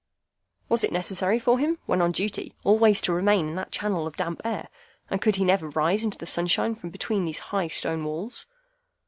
Was it necessary for him when on duty always to remain in that channel of damp air, and could he never rise into the sunshine from between those high stone walls?